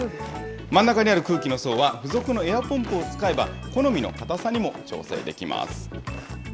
真ん中にある空気の層は、付属のエアポンプを使えば、好みの硬さにも調整できます。